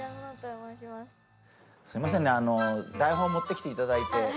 すいませんね、台本持ってきていただいて。